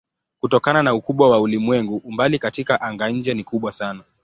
Kutokana na ukubwa wa ulimwengu umbali katika anga-nje ni kubwa sana.